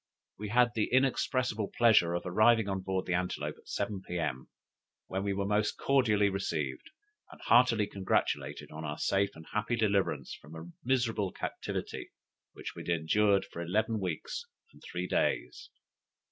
We had the inexpressible pleasure of arriving on board the Antelope at seven, P.M., where we were most cordially received, and heartily congratulated on our safe and happy deliverance from a miserable captivity, which we had endured for eleven weeks and three days.